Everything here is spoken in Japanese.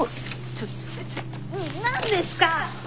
ちょっえっ何ですか！